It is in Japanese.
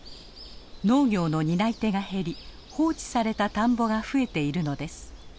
農業の担い手が減り放置された田んぼが増えているのです。